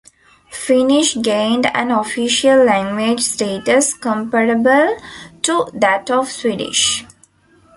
Finnish gained an official language status comparable to that of Swedish.